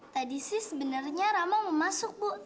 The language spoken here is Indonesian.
tadi sih sebenernya rama mau masuk bu